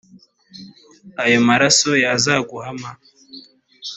ayo maraso yazaguhama.